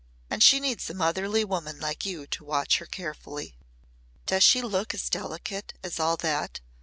And she needs a motherly woman like you to watch her carefully." "Does she look as delicate as all that?"